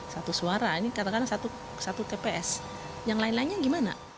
satu suara ini katakanlah satu tps yang lain lainnya gimana